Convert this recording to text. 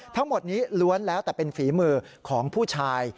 ทั้งหมดนี้ล้วนแล้วแต่เป็นฝีมือของผู้ชาย